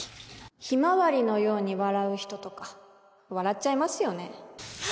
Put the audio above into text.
ひまわりのように笑う人とか笑っちゃいますよね